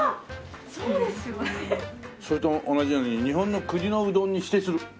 それと同じように日本の国のうどんに指定する。